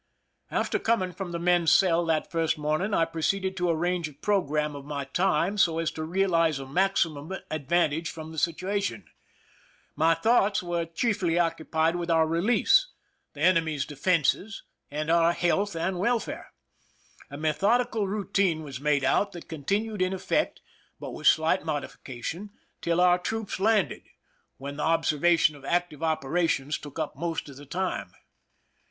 After coming from the men's cell that first morn ing, I proceeded to arrange a program of my time so as to realize a maximum advantage from the situation. My thoughts were chiefly occupied with our release, the enemy's defenses, and our health and welfare. A methodical routine was made out that continued in effect, with but slight modifica tion, till our troops landed, when the observation of active operations took up most of the time.